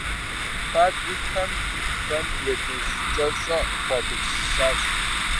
Фабрикэм фэм елэжьыкӏэщӏэ къыхуагупсысащ.